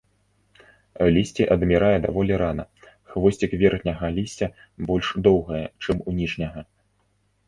Лісце адмірае даволі рана, хвосцік верхняга лісця больш доўгае, чым у ніжняга.